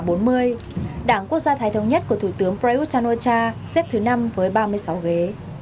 đảng quốc gia thái thống nhất của thủ tướng prayuth chan o cha xếp thứ năm với ba mươi sáu ghế